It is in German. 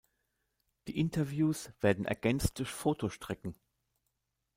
Die Interviews werden ergänzt durch Fotostrecken.